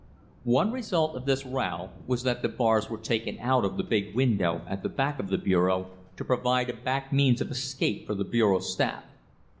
One result of this row was that the bars were taken out of the big window at the back of the bureau to provide a back means of escape for the bureau staff.